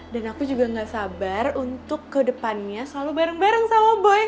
dan aku juga gak sabar untuk ke depannya selalu bareng bareng sama boy